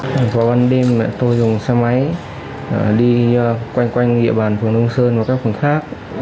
vào ban đêm tôi dùng xe máy đi quanh nghịa bàn phường đông sơn và các phường khác